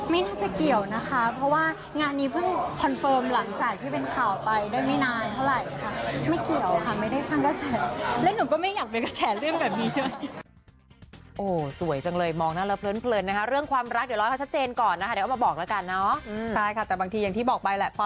ไม่น่าจะเกี่ยวนะคะเพราะว่างานนี้เพิ่งคอนเฟิร์มหลังจากที่เป็นข่าวไปได้ไม่นานเท่าไหร่ค่ะ